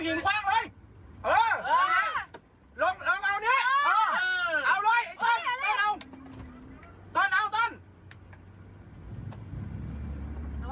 ส่วนป้ายอายไปแล้วต้องร่วง